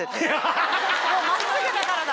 真っすぐだからだ。